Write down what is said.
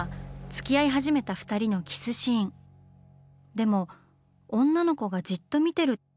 でも女の子がじっと見てる。